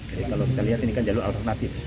jadi kalau kita lihat ini kan jalur alternatif